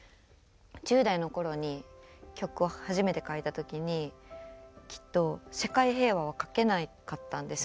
１０代の頃に曲を初めて書いた時にきっと世界平和は書けなかったんです。